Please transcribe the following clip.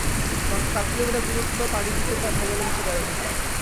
মাত্র সাত কিলোমিটার দূরত্ব পাড়ি দিতে তাঁর সময় লেগেছে দেড় ঘণ্টা।